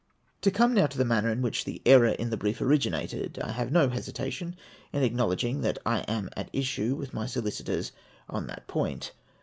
To come now to the manner in which the error in the brief originated, I have no hesitation in acknowledging that I am at issue with my solicitors on that point.